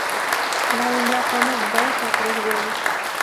La hembra pone dos a tres huevos.